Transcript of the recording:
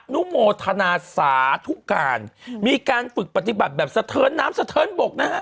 นุโมทนาสาธุการมีการฝึกปฏิบัติแบบสะเทินน้ำสะเทินบกนะฮะ